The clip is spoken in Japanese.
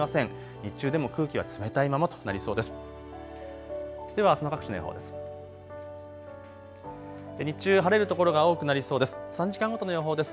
日中でも空気は冷たいままとなりそうです。